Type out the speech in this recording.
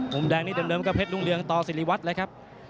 มุมแดงนี่เดิมก็เพชรรุ่งเรืองต่อสิริวัตรเลยครับ